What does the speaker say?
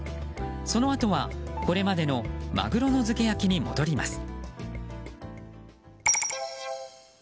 そのあとは、これまでのマグロの漬け焼に戻ります。